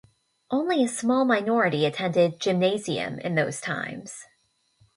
Only a small minority attended "gymnasium" in those times.